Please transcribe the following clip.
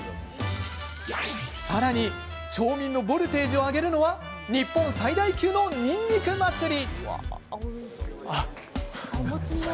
さらに町民のボルテージを上げるのは日本最大級のにんにく祭り。